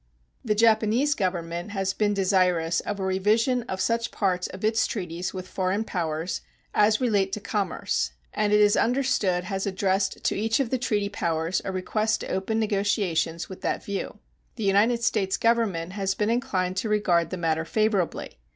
The Japanese Government has been desirous of a revision of such parts of its treaties with foreign powers as relate to commerce, and it is understood has addressed to each of the treaty powers a request to open negotiations with that view. The United States Government has been inclined to regard the matter favorably.